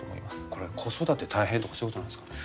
これ子育て大変とかそういうことなんですかね？